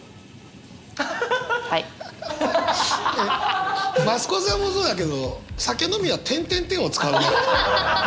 えっ増子さんもそうだけど酒飲みは「」を使うね。